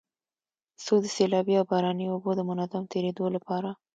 څو د سيلابي او باراني اوبو د منظم تېرېدو لپاره